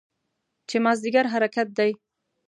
چې مازدیګر حرکت دی.